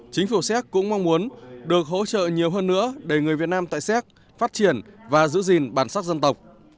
chính phủ séc cũng mong muốn được hỗ trợ nhiều hơn nữa để người việt nam tại séc phát triển và giữ gìn bản sắc dân tộc